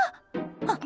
あっ。